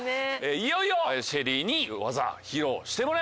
いよいよＳＨＥＬＬＹに技披露してもらいましょう。